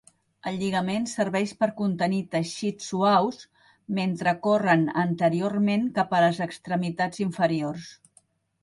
El lligament serveix per contenir teixits suaus mentre corren anteriorment cap a les extremitats inferiors.